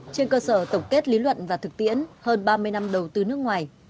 trên cơ sở tổng kết lý luận và thực tiễn hơn ba mươi năm đầu tư nước ngoài